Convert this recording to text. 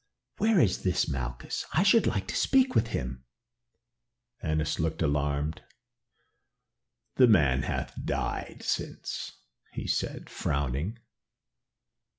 "Where is this Malchus? I should like to speak with him." Annas looked alarmed. "The man hath died since," he said, frowning.